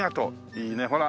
いいねほら。